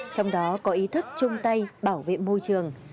trong đó có ý thức chung tay bảo vệ môi trường